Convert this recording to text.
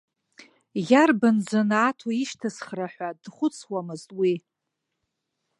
Иарбан занааҭу ишьҭысхра ҳәа дхәыцуамызт уи.